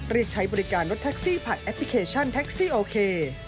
เรียกใช้บริการรถแท็กซี่ผ่านแอปพลิเคชันแท็กซี่โอเค